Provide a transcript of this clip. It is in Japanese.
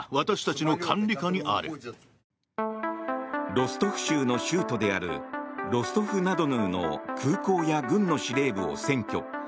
ロストフ州の州都であるロストフナドヌーの空港や軍の司令部を占拠。